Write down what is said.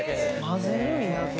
混ぜるんや。